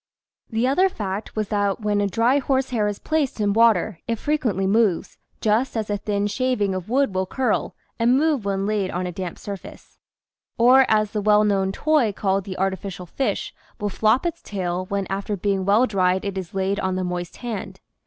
The other fact was that when a dry horsehair is placed in water it frequently moves, just as a thin shaving of wood will curl and move when laid on a damp surface or as the 202 THE SEVEN FOLLIES OF SCIENCE well known toy called the artificial fish will flop its tail when after being well dried it is laid on the moist hand.